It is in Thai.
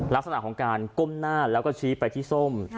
ลักษณะของการก้มหน้าแล้วก็ชี้ไปที่ส้ม